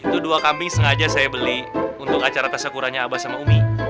itu dua kambing sengaja saya beli untuk acara tasyakurannya abah sama umi